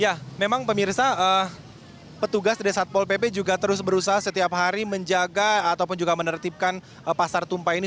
ya memang pemirsa petugas dari satpol pp juga terus berusaha setiap hari menjaga ataupun juga menertibkan pasar tumpah ini